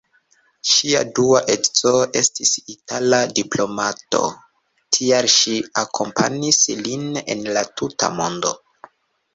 Ŝia dua edzo estis itala diplomato, tial ŝi akompanis lin en la tuta mondo.